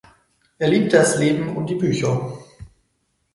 Er liebte das Leben und die Bücher.